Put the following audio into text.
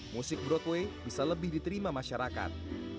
musik broadway bisa lebih diterima masyarakat